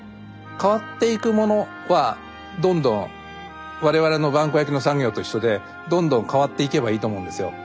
変わっていくものはどんどん我々の萬古焼の産業と一緒でどんどん変わっていけばいいと思うんですよ。